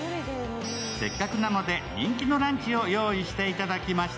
せっかくなので人気のランチを用意していただきました。